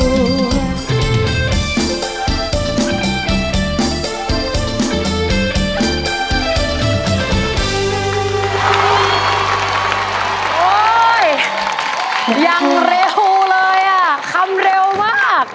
โอ้โหเร็วเลยอ่ะคำเร็วมาก